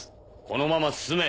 このまま進め。